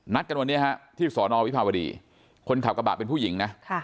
กันวันนี้ฮะที่สอนอวิภาวดีคนขับกระบะเป็นผู้หญิงนะ